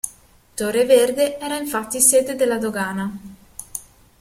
Torre Verde era infatti sede della dogana.